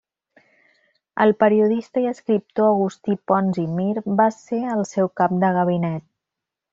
El periodista i escriptor Agustí Pons i Mir va ser el seu cap de gabinet.